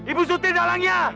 ibu surti dalamnya